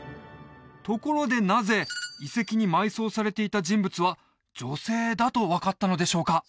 ところでなぜ遺跡に埋葬されていた人物は女性だと分かったのでしょうか？